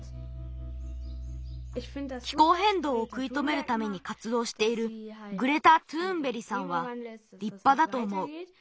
きこうへんどうをくいとめるためにかつどうしているグレタ・トゥーンベリさんはりっぱだとおもう。